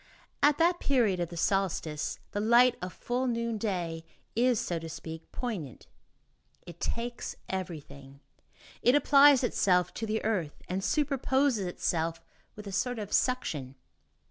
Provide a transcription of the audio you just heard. At that period of the solstice, the light of full noonday is, so to speak, poignant. It takes everything. It applies itself to the earth, and superposes itself with a sort of suction.